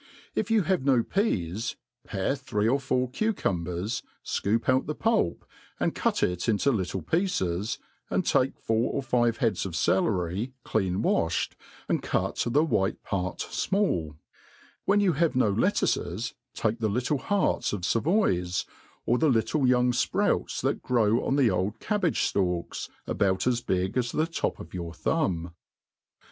If you have no peas, pare three or four cucum bers, fcoop out the pulp, and cut it into little pieces, and tafke four or five heads of cellery, clean walfaed, and cut the white paft fmall \ when you halve no lettuces, take the littlehearts of favoys, or the little young fprouts that grow on the old cab We ftalks, about as big as the top of your thumb.